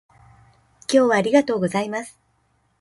今日はありがとうございます